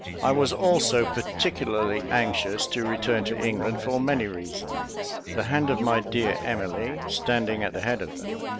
I was also particularly anxious to return to England for many reasons, the hand of my dear Emily standing at the head of them.